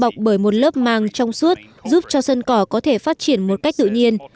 cấu trúc được bao bọc bởi một lớp màng trong suốt giúp cho sân cỏ có thể phát triển một cách tự nhiên